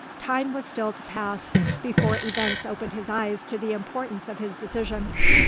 Time was still to pass, before events opened his eyes to the importance of his decision.